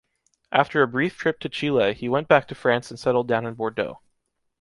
After a brief trip to Chile he went back to France and settled down in Bordeaux.